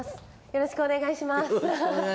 よろしくお願いします。